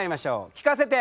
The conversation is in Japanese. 聞かせて！